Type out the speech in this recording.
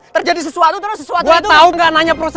terjadi sesuatu terus sesuatu terus